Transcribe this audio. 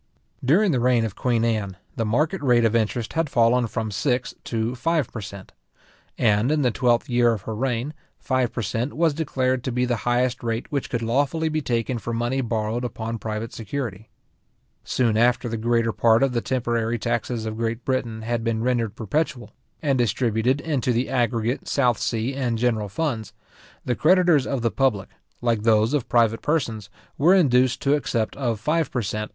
During the reign of queen Anne, the market rate of interest had fallen from six to five per cent.; and, in the twelfth year of her reign, five per cent. was declared to be the highest rate which could lawfully be taken for money borrowed upon private security. Soon after the greater part of the temporary taxes of Great Britain had been rendered perpetual, and distributed into the aggregate, South sea, and general funds, the creditors of the public, like those of private persons, were induced to accept of five per cent.